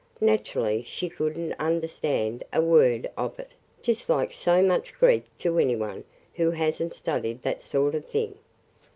Naturally she could n't understand a word of it – just like so much Greek to any one who has n't studied that sort of thing!"